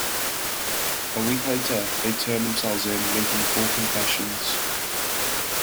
A week later they turned themselves in, making full confessions.